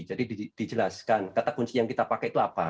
jadi dijelaskan kata kunci yang kita pakai itu apa